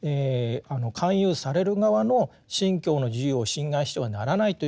勧誘される側の信教の自由を侵害してはならないということをですね